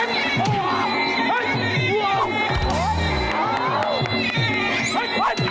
พี่พูดเลยครับขอบคุณครับ